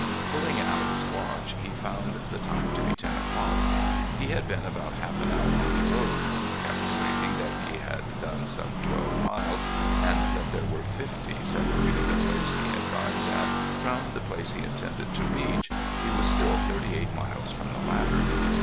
Pulling out his watch, he found the time to be ten o'clock. He had been about half an hour on the road. Calculating that he had done some twelve miles, and that there were fifty separating the place he had dined at from the place he had intended to reach, he was still thirty eight miles from the latter.